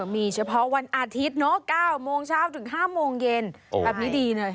มีเฉพาะวันอาทิตย์เนอะ๙โมงเช้าถึง๕โมงเย็นแบบนี้ดีเลย